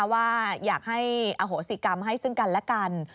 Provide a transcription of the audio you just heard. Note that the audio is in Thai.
ว่าอยากให้อโหสิกรรมให้ซึ่งกันและกัน